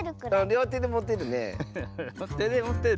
りょうてでもてるね。